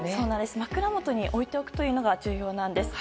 枕元に置いておくというのが重要です。